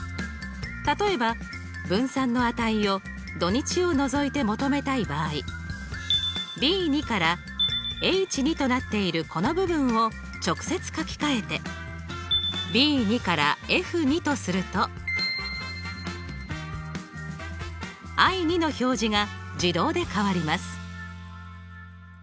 例えば分散の値を土日を除いて求めたい場合Ｂ２からＨ２となっているこの部分を直接書き換えてＢ２からＦ２とするとＩ２の表示が自動で変わります。